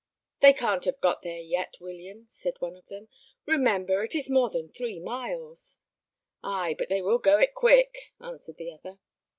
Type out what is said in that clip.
"They can't have got there yet, William," said one of them. "Remember, it is more than three miles." "Ay, but they will go it quick," answered the other.